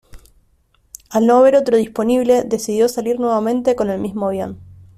Al no haber otro disponible, decidió salir nuevamente con el mismo avión.